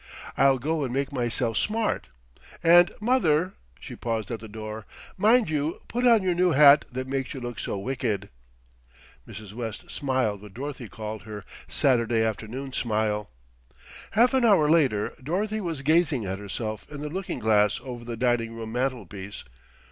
"I'll go and make myself smart; and mother" she paused at the door "mind you put on your new hat that makes you look so wicked." Mrs. West smiled what Dorothy called her "Saturday afternoon smile." Half an hour later Dorothy was gazing at herself in the looking glass over the dining room mantelpiece.